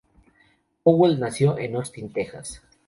Powell nació en Austin, Texas.